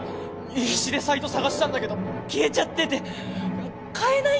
必死でサイト探したんだけど消えちゃってて買えないんだよ！